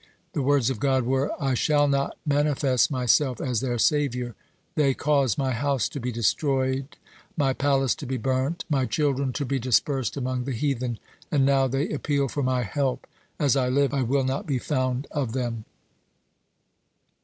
The words of God were: "I shall not manifest Myself as their savior. They caused My house to be destroyed, My palace to be burnt, My children to be dispersed among the heathen, and now they appeal for My help. As I live, I will not be found of them."